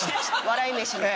笑い飯の。